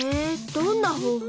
どんな方法？